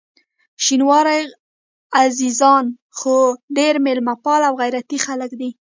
شینواري عزیزان خو ډېر میلمه پال او غیرتي خلک دي.